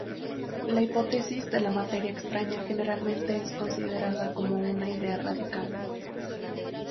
La hipótesis de la materia extraña generalmente es considerada como una idea radical.